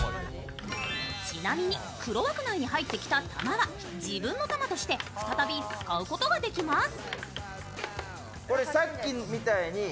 ちなみに、黒枠内に入ってきた球は自分の球として再び、使うことができます。